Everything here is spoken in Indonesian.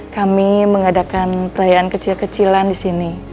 kami mengadakan perayaan kecil kecilan disini